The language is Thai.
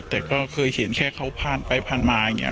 แต่ก็เคยเห็นแค่เขาผ่านไปผ่านมาอย่างนี้